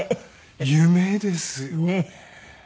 夢ですよね。